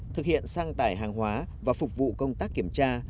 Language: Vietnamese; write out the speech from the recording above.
thực hiện sang tải hàng hóa và phục vụ công tác kiểm tra